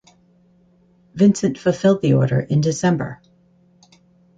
Vincent fulfilled the order in December.